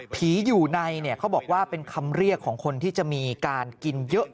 อยู่ในเขาบอกว่าเป็นคำเรียกของคนที่จะมีการกินเยอะ